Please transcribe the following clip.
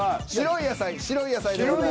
「白い野菜」でございます。